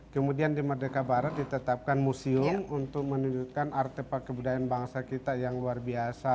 kemudian di merdeka barat ditetapkan museum untuk menunjukkan artefak kebudayaan bangsa kita yang luar biasa